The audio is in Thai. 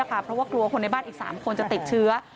เพราะว่ากลัวคนในบ้านอีก๓คนจะติดเชื้อ